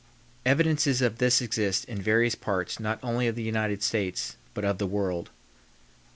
Evidences of this exist in various parts not only of the United States, but of the world.